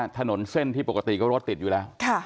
ถนนเส้นที่ปกติก็รถติดอยู่แล้ว